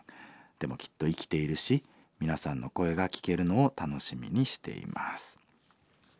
でもきっと生きているし皆さんの声が聴けるのを楽しみにしています」。